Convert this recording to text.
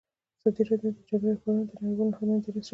ازادي راډیو د د جګړې راپورونه د نړیوالو نهادونو دریځ شریک کړی.